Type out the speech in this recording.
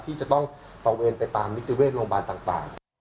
ที่จะต้องตระเวนไปตามนิติเวชโรงพยาบาลต่าง